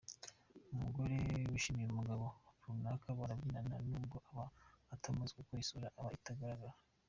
Umugore wishimiye umugabo runaka barabyinana n’ubwo aba atamuzi kuko isura iba itagaragara.